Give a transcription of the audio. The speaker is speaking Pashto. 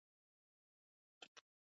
دښمن ماته خوړله.